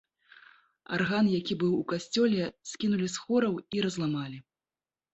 Арган, які быў у касцёле, скінулі з хораў і разламалі.